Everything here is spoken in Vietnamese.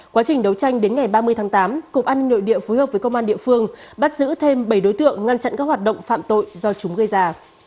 quá trình đấu tranh đến ngày ba mươi tháng tám cục an nội địa phối hợp với công an địa phương bắt giữ thêm bảy đối tượng ngăn chặn các hoạt động phạm tội do chúng gây ra